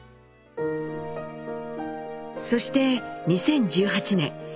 そして２０１８年